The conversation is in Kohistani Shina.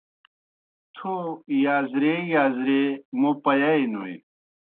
تھو یازریے یازریے موْ پیَائےنوئے۔